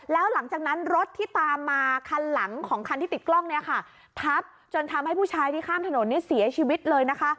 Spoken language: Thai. แล้วหลังจากนั้นรถที่ตามมาคันหลังของคันที่ติดกล้องเนี่ยค่ะทับจนทำให้ผู้ชายที่ข้ามถนนนี้เสียชีวิตเลยนะคะ